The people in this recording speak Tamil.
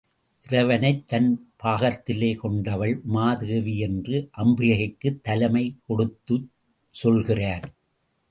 இறைவனைத் தன் பாகத்திலே கொண்டவள் உமாதேவி என்று அம்பிகைக்குத் தலைமை கொடுத்துச் சொல்கிறார்.